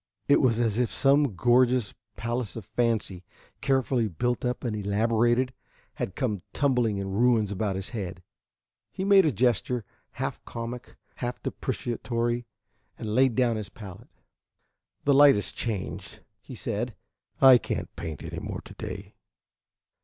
It was as if some gorgeous palace of fancy, carefully built up and elaborated, had come tumbling in ruins about his head. He made a gesture, half comic, half deprecatory, and laid down his palette. "The light has changed," he said. "I can't paint any more to day."